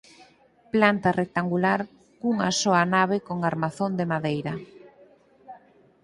Planta rectangular cunha soa nave con armazón de madeira.